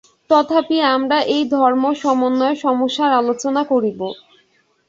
তথাপি আমরা এই ধর্ম-সমন্বয়-সমস্যার আলোচনা করিব।